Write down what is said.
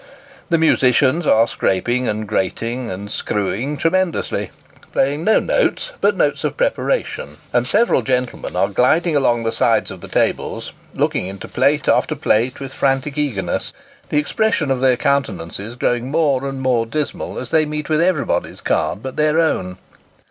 The musicians are scraping and 122 Sketches by Boz. grating and screwing tremendously playing no notes but notes of preparation ; and several gentlemen are gliding along the sides of the tables, looking into plate after plate with frantic eagerness, the ex pression of their countenances growing more and more dismal as they meet with everybody's card but their own.